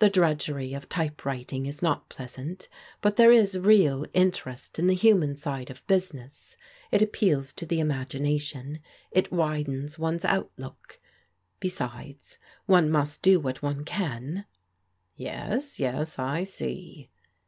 The drudgery of type writing is not pleasant, but there is real interest in the human side of business. It appeals to the imagination^ it widens one's outlook. Besides — one must do what one can. «" Yes, yes, I see."